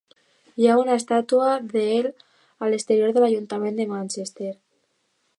Hi ha una estàtua d'ell a l'exterior de l'Ajuntament de Manchester.